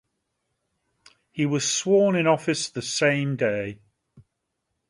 He was sworn in office the same day.